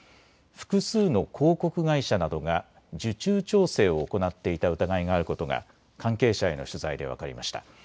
複数の広告会社などが受注調整を行っていた疑いがあることが関係者への取材で分かりました。